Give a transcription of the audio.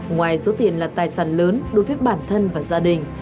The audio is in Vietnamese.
ngoài số tiền là tài sản lớn đối với bản thân và gia đình